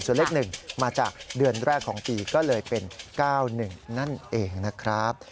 ส่วนเลข๑มาจากเดือนแรกของปีก็เลยเป็น๙๑นั่นเองนะครับ